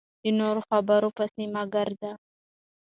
د نورو په خبرو پسې مه ګرځئ .